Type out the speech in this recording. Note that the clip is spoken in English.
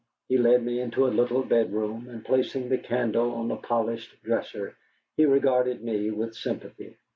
He led me into a little bedroom, and placing the candle on a polished dresser, he regarded me with sympathy.